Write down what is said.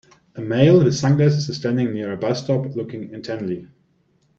A male with sunglasses is standing near a bus stop looking intently.